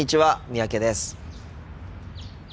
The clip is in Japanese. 三宅です。